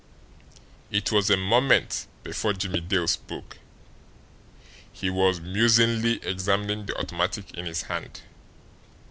It was a moment before Jimmie Dale spoke; he was musingly examining the automatic in his hand.